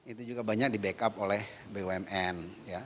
itu juga banyak di backup oleh bumn